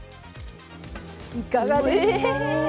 いかがですか。